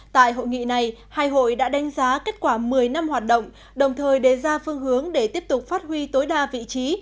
tại hội nghị này hai hội đã đánh giá kết quả một mươi năm hoạt động đồng thời đề ra phương hướng để tiếp tục phát huy tối đa vị trí